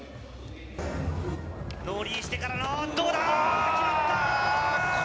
ノーリーしてからの、どうだ？